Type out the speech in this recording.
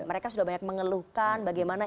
mereka sudah banyak mengeluhkan bagaimana